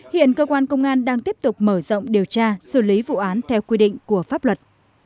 hiện cơ quan công an đang tiếp tục mở rộng điều tra xử lý vụ án theo quy định của pháp luật